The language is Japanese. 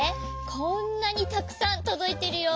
こんなにたくさんとどいてるよ。